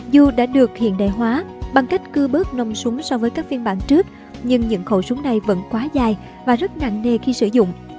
dù đã được hiện đại hóa bằng cách cư bớt nông súng so với các phiên bản trước nhưng những khẩu súng này vẫn quá dài và rất nặng nề khi sử dụng